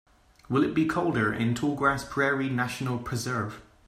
Will it be colder in Tallgrass Prairie National Preserve?